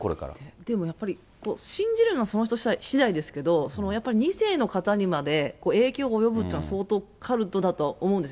でもやっぱり、信じるのはその人しだいですけど、やっぱり２世の方にまで影響がおよぶというのは、相当カルトだと思うんです。